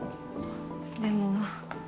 でも。